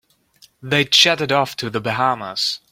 They jetted off to the Bahamas.